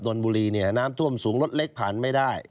นนบุรีเนี่ยน้ำท่วมสูงรถเล็กผ่านไม่ได้